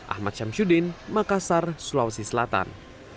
ahmad syamsuddin makassar sulawesi selatan